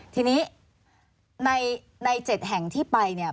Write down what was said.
ทีนี้ใน๗แห่งที่ไปเนี่ย